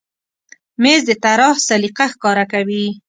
مېز د طراح سلیقه ښکاره کوي.